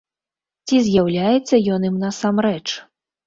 Ці з'яўляецца ён ім насамрэч?